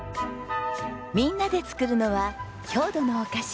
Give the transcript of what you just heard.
みんなで作るのは郷土のお菓子。